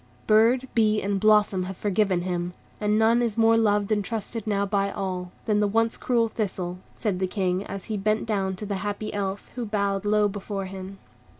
"Bird, bee, and blossom have forgiven him, and none is more loved and trusted now by all, than the once cruel Thistle," said the King, as he bent down to the happy Elf, who bowed low before him.